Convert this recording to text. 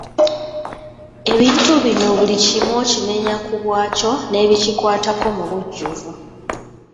Ebintu bino buli kimu okimenya ku bwakyo n'ebikikwatako mu bujjuvu.